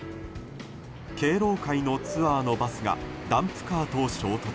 敬老会のツアーのバスがダンプカーと衝突。